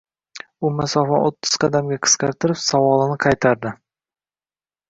U masofani o‘ttiz qadamga qisqartirib, savolini qaytardi.